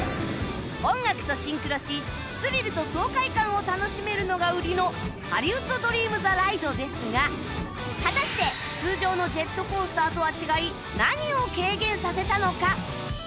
音楽とシンクロしスリルと爽快感を楽しめるのが売りのハリウッド・ドリーム・ザ・ライドですが果たして通常のジェットコースターとは違い何を軽減させたのか？